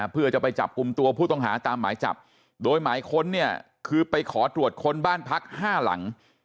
เพื่อจะไปจับกลุ่มตัวผู้ต้องหาตามหมายจับโดยหมายค้นเนี่ยคือไปขอตรวจค้นบ้านพัก๕หลัง